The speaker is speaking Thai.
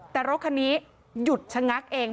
แต่รถคันนี้หยุดชะงักเอง